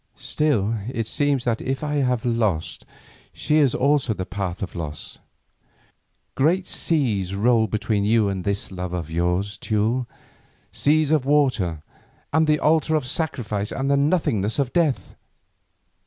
Still it seems that if I have lost, she is also in the path of loss. Great seas roll between you and this love of yours, Teule, seas of water, and the altar of sacrifice, and the nothingness of death.